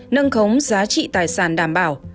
nâng khống giá trị tài sản đảm bảo